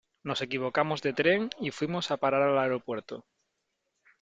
Nos equivocamos de tren y fuimos a parar al aeropuerto.